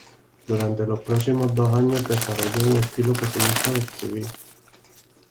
Durante los próximos dos años desarrolló un estilo pesimista de escribir.